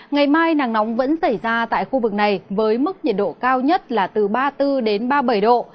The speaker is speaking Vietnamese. ngày mai nắng nóng vẫn xảy ra tại khu vực này với mức nhiệt độ cao nhất là từ ba mươi bốn ba mươi bảy độ